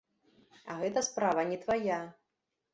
А гэта справа не твая!